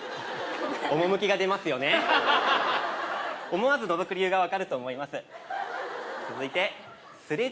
思わずのぞく理由が分かると思います